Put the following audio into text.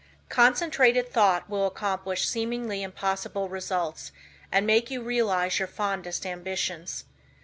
Concentrated thought will accomplish seemingly impossible results and make you realize your fondest ambitions.